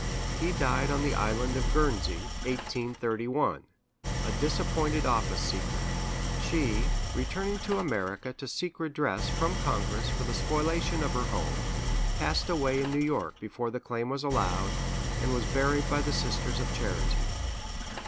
He died on the Island of Guernsey (1831), a disappointed office seeker; she, returning to America to seek redress from Congress for the spoliation of her home, passed away in New York, before the claim was allowed, and was buried by the Sisters of Charity.